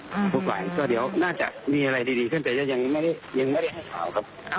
อย่างรบทุกฝ่ายเดี๋ยวน่าจะมีอะไรดีเห็นแต่ก็ยังไม่ได้ออกครับ